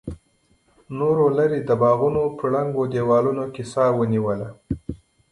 نورو لرې د باغونو په ړنګو دیوالونو کې سا ونیوله.